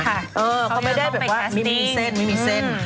เขายังไม่ได้แบบมีเส้น